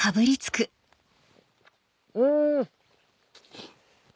うん！